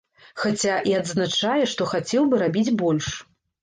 Хаця і адзначае, што хацеў бы рабіць больш.